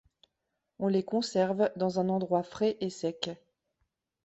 On les conserve dans un endroit frais et sec.